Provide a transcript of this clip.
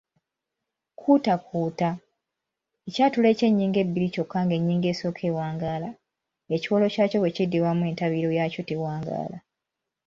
kuutakuuta:Ekyatulo eky’ennyingo ebbiri kyokka ng’ennyingo esooka ewangaala, ekikolo kyakyo bwe kiddibwamu entabiro yaakyo tewaangaala.